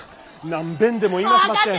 何べんでも言いますばってん蘭語。